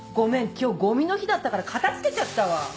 今日ゴミの日だったから片付けちゃったわ。